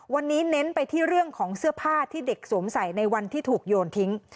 วันนี้เน้นไปที่เรื่องของเสื้อผ้าที่เด็กสวมใส่ในวันที่ถูกโยนทิ้ง